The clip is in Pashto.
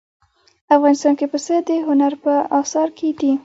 افغانستان کې پسه د هنر په اثار کې دي.